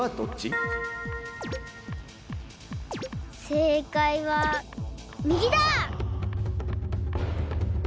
せいかいはみぎだ！